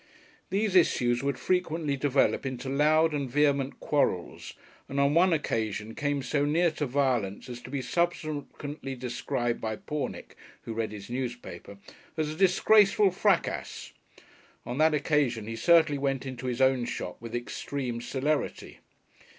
These issues would frequently develop into loud and vehement quarrels, and on one occasion came so near to violence as to be subsequently described by Pornick (who read his newspaper) as a "Disgraceful Frackass." On that occasion he certainly went into his own shop with extreme celerity.